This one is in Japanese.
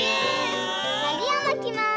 のりをまきます。